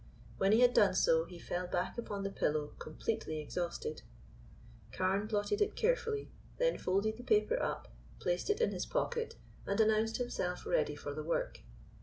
When he had done so he fell back upon the pillow completely exhausted. Carne blotted it carefully, then folded the paper up, placed it in his pocket and announced himself ready for the work.